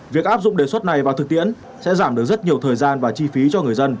việc áp dụng đề xuất này vào thực tiễn sẽ giảm được rất nhiều thời gian và chi phí cho người dân